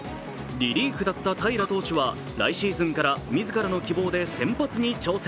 リリーフだった平良投手は来シーズンから自らの希望で先発に挑戦。